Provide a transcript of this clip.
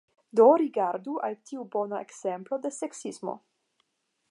Do, rigardu al tiu bonega ekzemplo de seksismo